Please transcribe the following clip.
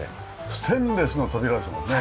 ステンレスの扉ですもんね。